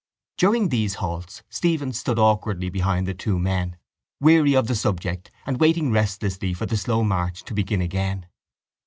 During these halts Stephen stood awkwardly behind the two men, weary of the subject and waiting restlessly for the slow march to begin again.